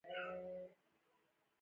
بس مه مې غږوه، به کرار مې پرېږده.